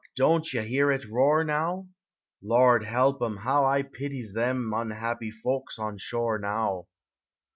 don't ye hear it roar now ? Lord help 'em, how I pities them Unhappy folks on sVore now!